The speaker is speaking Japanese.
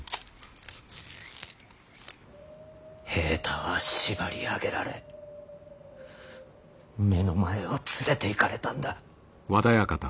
平太は縛り上げられ目の前を連れていかれたんだ。